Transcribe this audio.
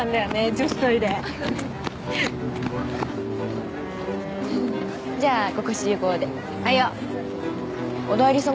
女子トイレじゃあここ集合ではいよおだいり様？